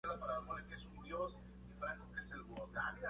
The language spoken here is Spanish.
Pilota para la escudería Rius Racing patrocinada por Yamaha.